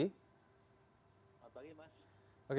selamat pagi mas